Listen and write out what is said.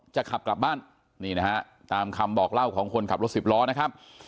จะขับกลับบ้านนี่นะฮะตามคำบอกเล่าของคนขับรถสิบล้อนะครับ